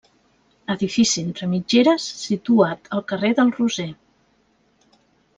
Edifici entre mitgeres situat al carrer del Roser.